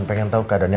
pengen tau keadaannya